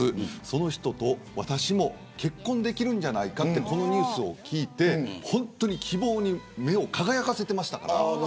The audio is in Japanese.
その人と私も結婚できるんじゃないかとこのニュースを聞いて本当に希望に目を輝かせていましたから。